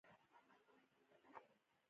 که هر انسان په بېلابېلو وضعیتونو کې فرض کړو.